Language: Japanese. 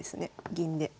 銀で。